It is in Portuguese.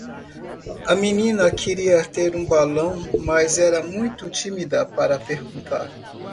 A menina queria ter um balão, mas era muito tímida para perguntar.